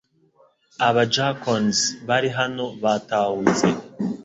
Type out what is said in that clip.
Aba Jackons bari hano batahutse